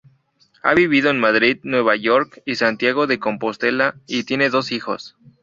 Ha vivido en Madrid, Nueva York y Santiago de Compostela y tiene dos hijos.